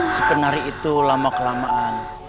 sepenari itu lama kelamaan